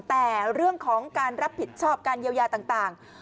แต่เรื่องของการรับผิดชอบการเยียวยาต่าง